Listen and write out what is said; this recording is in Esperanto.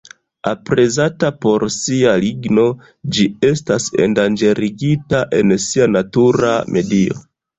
Aprezata por sia ligno, ĝi estas endanĝerigata en sia natura medio.